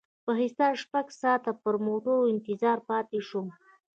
په حساب شپږ ساعته پر لار موټر ته انتظار پاتې شوم.